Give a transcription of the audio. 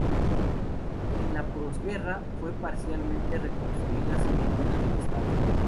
En la posguerra fue parcialmente reconstruida sin ayuda del Estado.